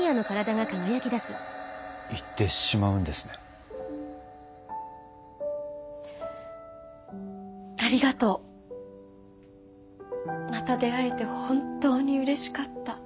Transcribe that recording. また出会えて本当にうれしかった。